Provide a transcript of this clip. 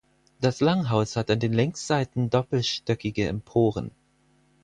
Das Langhaus hat an den Längsseiten doppelstöckige Emporen.